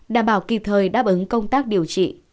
đảm bảo kịp thời đáp ứng công tác điều trị